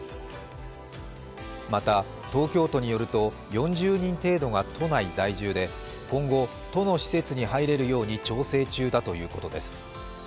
また東京都によると４０人程度が都内在住で今後、都の施設に入れるように調整中だということです。